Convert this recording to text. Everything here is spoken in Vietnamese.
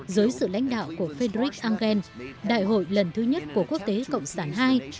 dưới sự lãnh đạo của fedrich engel đại hội lần thứ nhất của quốc tế cộng sản ii